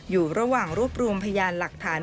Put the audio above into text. อยู่ระหว่างรวบรวมพยานหลักฐาน